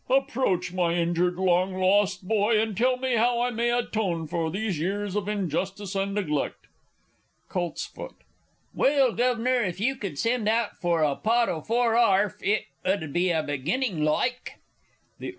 Approach, my injured, long lost boy, and tell me how I may atone for these years of injustice and neglect! Colts. Well, Guv'nor, if you could send out for a pot o' four arf, it 'ud be a beginning, like. _The E.